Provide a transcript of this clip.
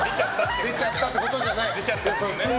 出ちゃったってことじゃない。